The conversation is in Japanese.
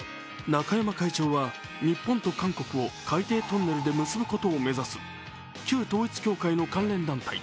中山会長は日本と韓国を海底トンネルで結ぶことを目指す旧統一教会の関連団体